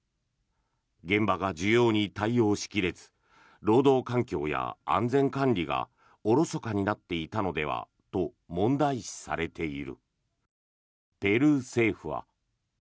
現場が需要に対応しきれず労働環境や安全管理がおろそかになっていたのではと問題視されている。